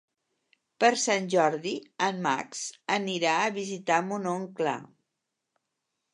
Per Sant Jordi en Max anirà a visitar mon oncle.